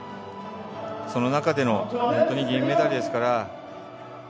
その中での銀メダルですから。